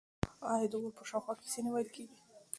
آیا د اور په شاوخوا کې کیسې نه ویل کیږي؟